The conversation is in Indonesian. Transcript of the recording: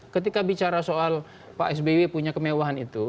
ketika bicara soal pak sby punya kemewahan itu